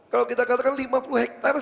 kalau kita katakan lima puluh hektare